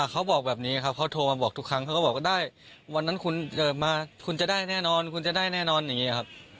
อ่ะเขาบอกแบบนี้เขาโทรมาบอกทุกครั้งเขาบอกว่าได้วันนั้นคุณมาคุณจะได้แน่นอนอย่างนี้ครับ